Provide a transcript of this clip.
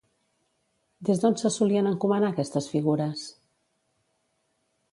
Des d'on se solien encomanar aquestes figures?